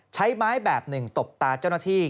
ใช้ไม้แบบหนึ่งตบตาเจ้าหน้าที่